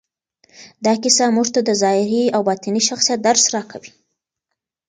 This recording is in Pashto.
دا کیسه موږ ته د ظاهري او باطني شخصیت درس راکوي.